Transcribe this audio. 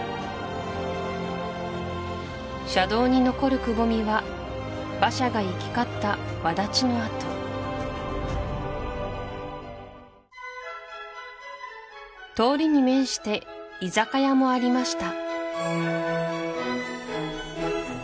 車道に残るくぼみは馬車が行き交ったわだちの跡通りに面して居酒屋もありました